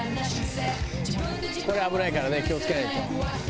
これ危ないからね気を付けないと。